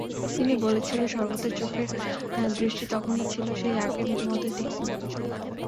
তিনি বলেছিলেন, শরবতের চোখের দৃষ্টি তখনো ছিল সেই আগের মতোই তীক্ষ্ণ।